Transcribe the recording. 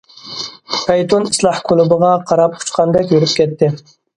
پەيتۇن ئىسلاھ كۇلۇبىغا قاراپ ئۇچقاندەك يۈرۈپ كەتتى.